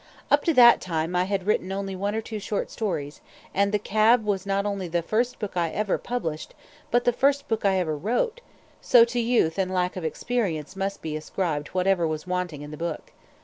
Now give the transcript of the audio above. Up to that time I had written only one or two short stories, and the "Cab" was not only the first book I ever published, but the first book I ever wrote; so to youth and lack of experience must be ascribed whatever was wanting in the book.